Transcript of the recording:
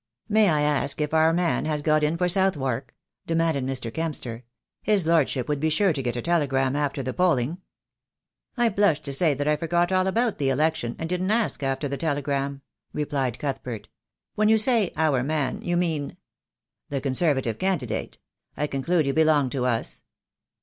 "May I ask if our man has got in for Southwark?" demanded Mr. Kempster. "His lordship would be sure to get a telegram after the polling." "I blush to say that I forgot all about the election, and didn't ask after the telegram," replied Cuthbert. "When you say 'our man,' you mean " "The Conservative candidate. I conclude you belong to us."